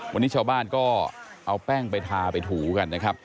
วันนี้ชาวบ้านก็เอาแป้งไปทาไปถูกันนะครับ